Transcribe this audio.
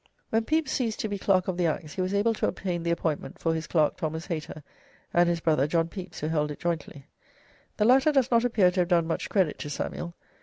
When Pepys ceased to be Clerk of the Acts he was able to obtain the appointment for his clerk, Thomas Hayter, and his brother, John Pepys, who held it jointly. The latter does not appear to have done much credit to Samuel.